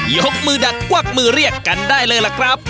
ยกมือดักกวักมือเรียกกันได้เลยล่ะครับ